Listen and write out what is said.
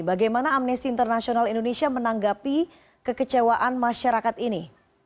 bagaimana amnesty international indonesia menanggapi kekecewaan masyarakat ini